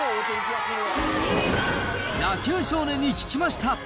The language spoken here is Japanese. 野球少年に聞きました。